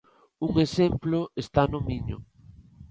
Un exemplo está no Miño.